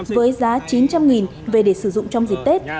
với giá chín trăm linh về để sử dụng trong dịp tết